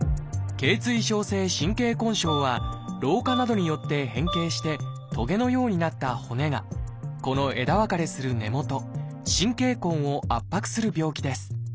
頚椎症性神経根症は老化などによって変形してトゲのようになった骨がこの枝分かれする根元「神経根」を圧迫する病気です。